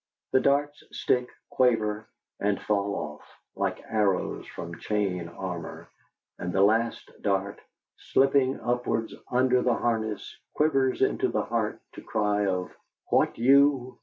The darts stick, quaver, and fall off, like arrows from chain armour, and the last dart, slipping upwards under the harness, quivers into the heart to the cry of "What you!